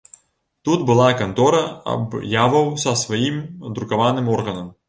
Тут была кантора аб'яваў са сваім друкаваным органам.